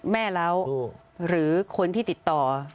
แม่เราหรือคนที่ติดต่อ